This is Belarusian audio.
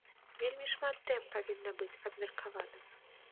Вельмі шмат тэм павінна быць абмеркавана!